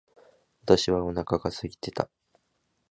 私はお腹が空いていた。